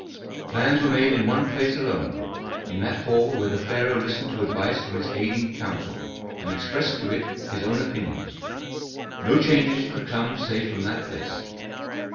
Plans were made in one place alone, in that hall where the pharaoh listened to advice from his aiding council, and expressed to it his own opinions. No changes could come save from that place.